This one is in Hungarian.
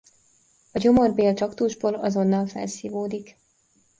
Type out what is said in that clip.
A gyomor-bél traktusból azonnal felszívódik.